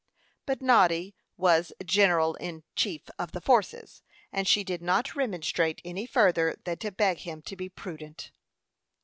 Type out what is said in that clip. But Noddy was general in chief of the forces, and she did not remonstrate any further than to beg him to be prudent.